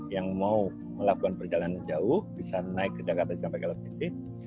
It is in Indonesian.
yang mau melakukan perjalanan jauh bisa naik ke jakarta cikampek elevated